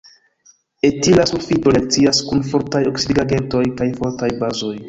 Etila sulfito reakcias kun fortaj oksidigagentoj kaj fortaj bazoj.